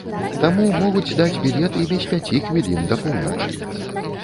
Таму могуць даць білет і без пяці хвілін да поўначы.